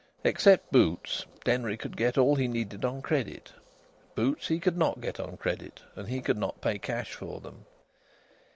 Except boots, Denry could get all he needed on credit; boots he could not get on credit, and he could not pay cash for them.